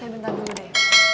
tengok bentar dulu deh